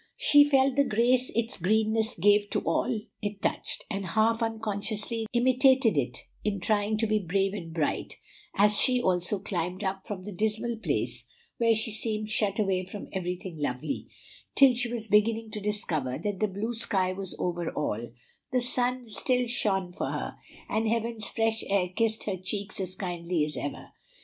She felt the grace its greenness gave to all it touched, and half unconsciously imitated it in trying to be brave and bright, as she also climbed up from the dismal place where she seemed shut away from everything lovely, till she was beginning to discover that the blue sky was over all, the sun still shone for her, and heaven's fresh air kissed her cheeks as kindly as ever.